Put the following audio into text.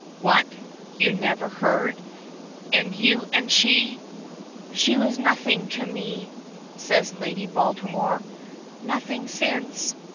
What? You never heard? And you and she " "She was nothing to me," says Lady Baltimore. "Nothing since."